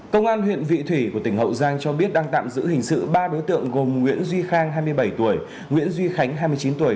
công an huyện vị thủy của tỉnh hậu giang cho biết đang tạm giữ hình sự ba đối tượng gồm nguyễn duy khang hai mươi bảy tuổi nguyễn duy khánh hai mươi chín tuổi